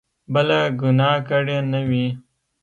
بله ګناه کړې نه وي.